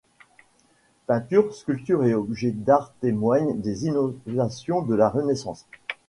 Peintures, sculptures et objets d'art témoignent des innovations de la Renaissance.